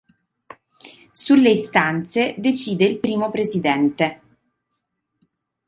Sulle istanze decide il primo presidente.